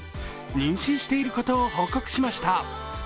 妊娠していることを報告しました。